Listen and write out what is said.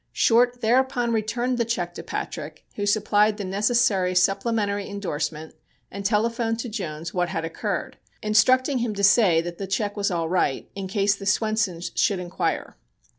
Short thereupon returned the check to Patrick, who supplied the necessary supplementary indorsement and telephoned to Jones what had occurred, instructing him to say that the check was all right in case the Swensons should inquire.